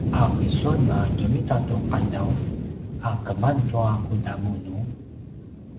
a kisun a ljemita tu qadaw a keman tua kudamunu?